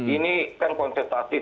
ini kan konsentrasi